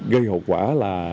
gây hậu quả là